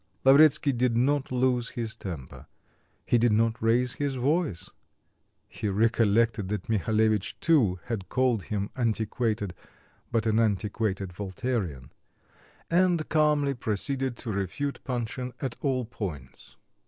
Lavretsky did not lose his temper. He did not raise his voice (he recollected that Mihalevitch too had called him antiquated but an antiquated Voltairean), and calmly proceeded to refute Panshin at all points.